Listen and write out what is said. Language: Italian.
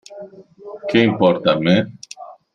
Che importa a me?